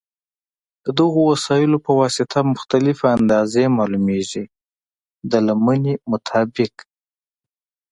د دغو وسایلو په واسطه مختلفې اندازې معلومېږي د لمنې مطابق.